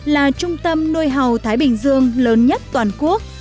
là trung tâm nuôi hầu thái bình dương lớn nhất toàn quốc